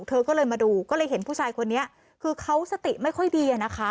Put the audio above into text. เธอก็เลยมาดูก็เลยเห็นผู้ชายคนนี้คือเขาสติไม่ค่อยดีอะนะคะ